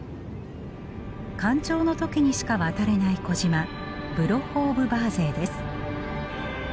干潮の時にしか渡れない小島ブロッホ・オブ・バーゼイです。